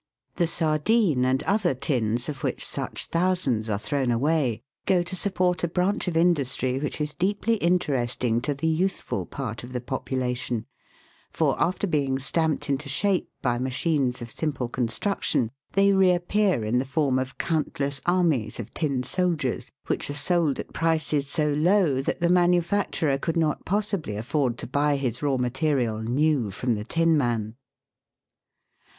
The sardine and other tins, of which such thousands are thrown away, go to support a branch of industry which is deeply interesting to the youthful part of the population ; for, after being stamped into shape by machines of simple construction, they reappear in the form of countless armies of tin soldiers, which are sold at prices so low that the manufacturer could not possibly afford to buy his raw material new from the tinman.